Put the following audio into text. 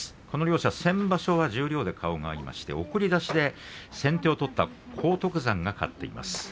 この両者は先場所十両で顔が合いまして送り出しで先手を取った荒篤山が勝っています。